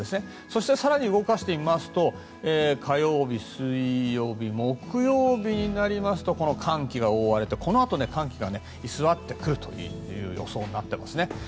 そして更に動かしてみますと火曜日、水曜日、木曜日になりますとこの寒気に覆われてこのあと、寒気が居座ってくるという予想になっていますね。